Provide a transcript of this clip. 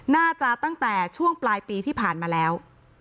น่าจะตั้งแต่ช่วงปลายปีที่ผ่านมาแล้ว